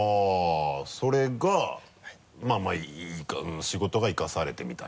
それがまぁまぁ仕事が生かされてみたいな？